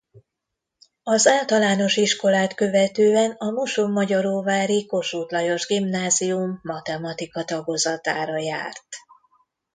Az általános iskolát követően a mosonmagyaróvári Kossuth Lajos Gimnázium matematika tagozatára járt.